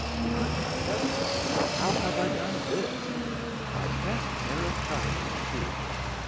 "Good heavens, how have I done this? My best pair of trousers, too.